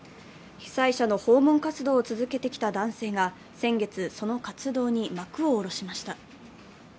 被災者の訪問活動を続けてきた男性が先月、その活動に幕を下ろしました。